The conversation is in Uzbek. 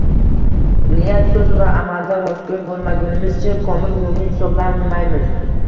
Niyat, so‘z va amalda rostgo‘y bo‘lmagunimizcha komil mo‘min hisoblanmaymiz.